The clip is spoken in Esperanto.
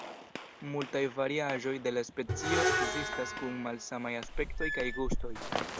Multaj variaĵoj de la specio ekzistas, kun malsamaj aspektoj kaj gustoj.